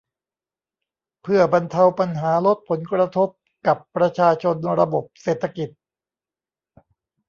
เพื่อบรรเทาปัญหาลดผลกระทบกับประชาชนระบบเศรษฐกิจ